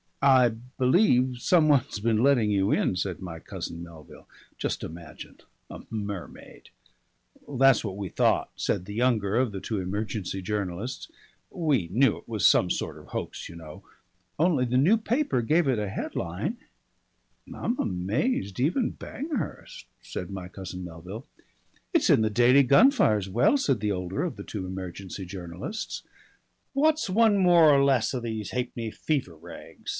"I believe some one's been letting you in," said my cousin Melville. "Just imagine! a mermaid!" "That's what we thought," said the younger of the two emergency journalists. "We knew it was some sort of hoax, you know. Only the New Paper giving it a headline " "I'm amazed even Banghurst " said my cousin Melville. "It's in the Daily Gunfire as well," said the older of the two emergency journalists. "What's one more or less of these ha'penny fever rags?"